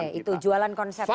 oke itu jualan konsep ya